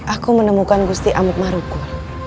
aku menemukan gusti amut marukul